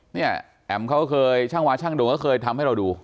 เนี่ยแอ๋มเขาเคยช่างวาช่างโดก็เคยทำให้เราดู